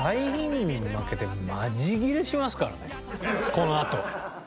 このあと。